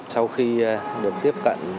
sau khi được tiếp cận